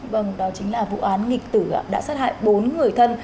vâng đó chính là vụ án nghịch tử đã sát hại bốn người thân